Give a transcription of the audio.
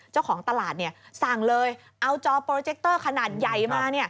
เจ้าของตลาดสั่งเลยเอาจอโปรเจคเตอร์ขนาดใหญ่มา